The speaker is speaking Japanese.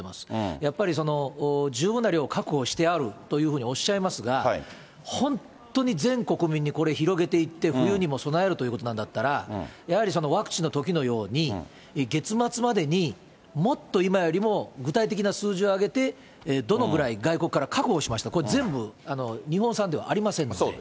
やっぱり十分な量を確保してあるというふうにおっしゃいますが、本当に全国民にこれ、広げていって、冬にも備えるということなんだったら、やはりワクチンのときのように、月末までにもっと今よりも具体的な数字を挙げて、どのぐらい外国から確保しました、これ全部日本産ではありませんので。